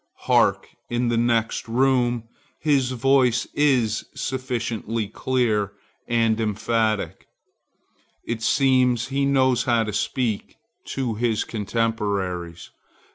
Hark! in the next room his voice is sufficiently clear and emphatic. It seems he knows how to speak to his contemporaries.